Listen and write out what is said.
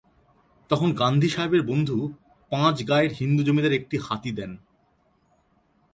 তখন গান্ধী সাহেবের বন্ধু পাঁচ গায়ের হিন্দু জমিদার একটি হাতি দেন।